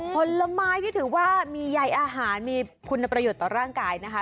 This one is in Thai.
ผลไม้ที่ถือว่ามีใยอาหารมีคุณประโยชน์ต่อร่างกายนะคะ